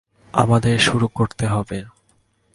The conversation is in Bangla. আমাদের শুরু করতে হবে।